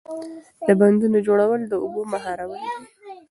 د بندونو جوړول د اوبو مهارول دي.